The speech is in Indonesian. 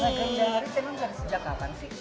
legendaris emang dari sejak kapan sih